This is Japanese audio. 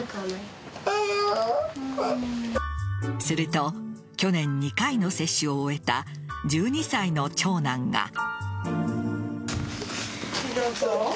すると去年２回の接種を終えた１２歳の長男が。